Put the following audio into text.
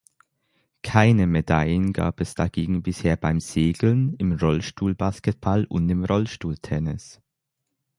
Keine Medaillen gab es dagegen bisher beim Segeln, im Rollstuhlbasketball und im Rollstuhltennis.